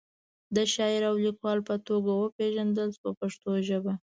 د شاعر او لیکوال په توګه وپیژندل شو په پښتو ژبه.